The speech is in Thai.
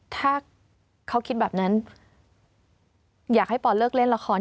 ถ้าเขาคิดแบบนั้นอยากให้ปอนเลิกเล่นละคร